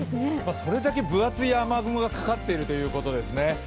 それだけ分厚い雨雲がかかっているということですね。